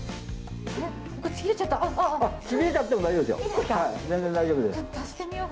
ちぎれちゃっても大丈夫ですよ。